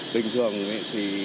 bình thường thì